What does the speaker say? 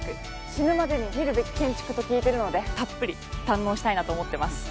死ぬまでに見るべき建築と聞いてるのでたっぷり堪能したいなと思ってます。